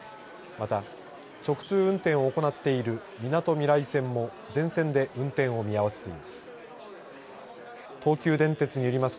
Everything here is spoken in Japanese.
また、直通運転を行っているみなとみらい線も全線で運転を見合わせています。